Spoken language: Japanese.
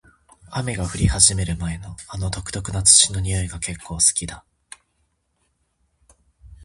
雨が降り始める前の、あの独特な土の匂いが結構好きだ。